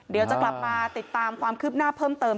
เดี๋ยวจะกลับมาติดตามความคืบหน้าเพิ่มเติม